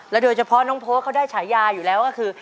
โดยเฉพาะน้องโพเขาได้ฉายาอยู่แล้วก็คือ